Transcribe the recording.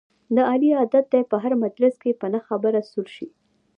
د علي عادت دی په هر مجلس کې په نه خبره سور شي.